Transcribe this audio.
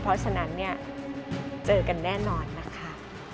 เพราะฉะนั้นเนี่ยเจอกันแน่นอนนะคะ